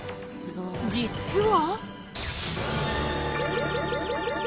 ［実は］